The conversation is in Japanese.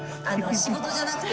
仕事じゃなくて。